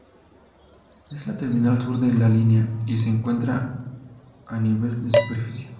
Es la terminal sur de la línea y se encuentra a nivel de superficie.